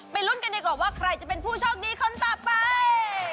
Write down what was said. ไปรุ่นกันดีกว่าใครจะเป็นผู้ชอบดีคนต่อไป